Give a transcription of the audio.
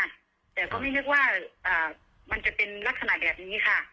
แต่ก็ไม่นึกว่ามันจะเป็นลักษณะแบบนี้ค่ะ